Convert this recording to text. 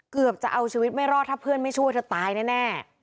เกือบจะเอาชีวิตไม่รอดถ้าเพื่อนไม่ช่วยเธอตายแน่